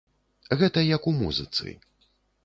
Гэта як у музыцы.